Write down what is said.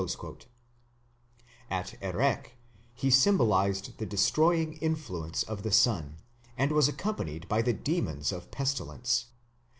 At Erech he symbolized the destroying influence of the sun, and was accompanied by the demons of pestilence.